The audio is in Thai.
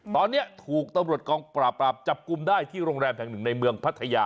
ตอนนี้ถูกตำรวจกองปราบปราบจับกลุ่มได้ที่โรงแรมแห่งหนึ่งในเมืองพัทยา